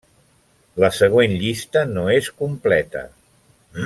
La següent llista no és completa.